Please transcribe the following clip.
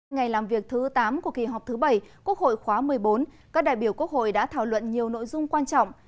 ngày làm việc thứ tám của kỳ họp thứ bảy quốc hội khóa một mươi bốn các đại biểu quốc hội đã thảo luận nhiều nội dung quan trọng